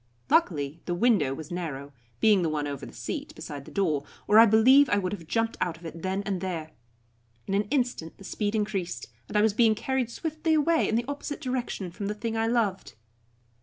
Luckily the window was narrow, being the one over the seat, beside the door, or I believe I would have jumped out of it then and there. In an instant the speed increased, and I was being carried swiftly away in the opposite direction from the thing I loved.